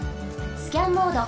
スキャンモード。